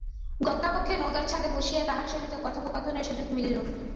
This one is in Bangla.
গঙ্গাবক্ষে নৌকার ছাদে বসিয়া তাঁহার সহিত কথোপকথনের সুযোগ মিলিল।